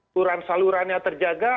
turan salurannya terjaga